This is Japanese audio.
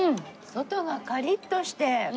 外がカリッとして。